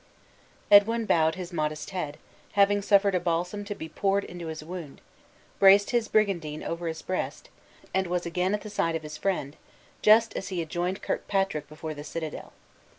Edwin bowed his modest head; and having suffered a balsam to be poured into his wound, braced his brigandine over his breast; and was again at the side of his friend, just as he had joined Kirkpatrick before the citadel.